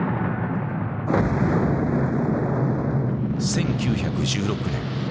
１９１６年。